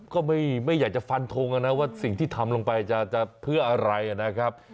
ก็ไม่อยากจะฟันทงนะว่าสิ่งที่ทำลงไปจะเพื่ออะไรนะครับ